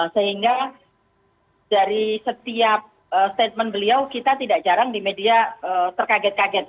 sehingga dari setiap statement beliau kita tidak jarang di media terkaget kaget